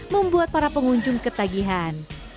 membuat para pengunjung ketagihan